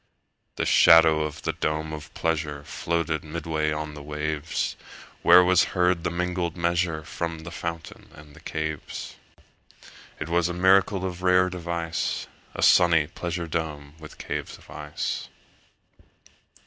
30 The shadow of the dome of pleasure Floated midway on the waves; Where was heard the mingled measure From the fountain and the caves. It was a miracle of rare device, 35 A sunny pleasure dome with caves of ice!